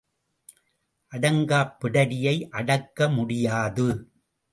அடங்காப் பிடாரியை அடக்க முடியாது.